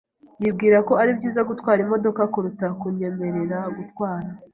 Yibwira ko ari byiza gutwara imodoka kuruta kunyemerera gutwara.